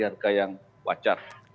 harga yang wajar